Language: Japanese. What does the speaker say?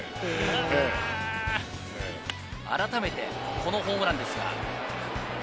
改めてこのホームランですが。